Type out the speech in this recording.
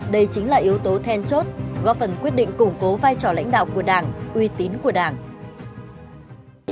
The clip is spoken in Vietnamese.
đây chính là yếu tố then chốt góp phần quyết định củng cố vai trò lãnh đạo của đảng uy tín của đảng